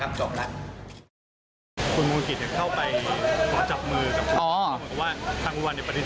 คุณมูลกิจเค้าไปขอจับมือ